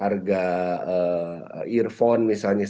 harga earphone misalnya rp seratus